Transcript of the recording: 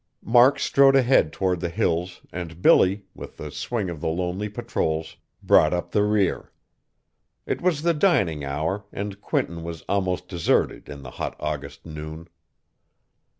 Mark strode ahead toward the Hills and Billy, with the swing of the lonely patrols, brought up the rear. It was the dining hour and Quinton was almost deserted in the hot August noon.